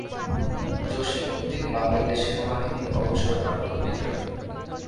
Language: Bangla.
জসিম উদ্দিন বাংলাদেশ সেনাবাহিনীর অবসরপ্রাপ্ত মেজর।